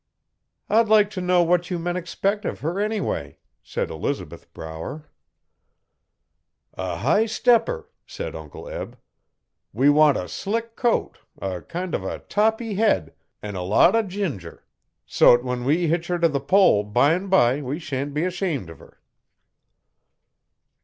'I'd like t' know what you men expect of her anyway,' said Elizabeth Brower. 'A high stepper,' said Uncle Eb. 'We want a slick coat, a kind uv a toppy head, an a lot O' ginger. So't when we hitch 'er t' the pole bime bye we shan't be 'shamed o' her.'